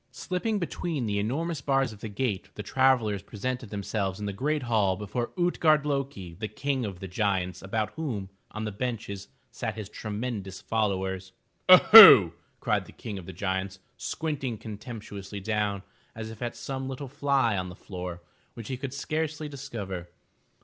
Slipping between the enormous bars of the gate, the travellers presented themselves in the great hall before Ut'gard lo'ki, the King of the Giants about whom, on benches, sat his tremendous followers. Oho!'* cried the King of the Giants, squinting contemptuously down as if at some little fly on the floor, which he could scarcely discover.